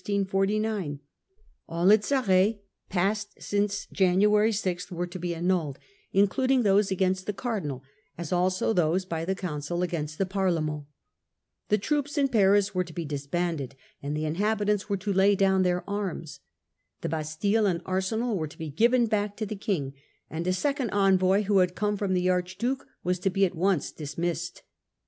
^ ur i n g 1649 ; a p jt 5 arrlts passed since January 6 were to be annulled, including those against the Cardinal, as also those by the Council against the Parlement ; the troops in Paris were to be dis banded, and the inhabitants were to lay down their arms ; the Bastille and arsenal were to be given back to the King ; and a second envoy who had come from the Archduke was to be at once dismissed.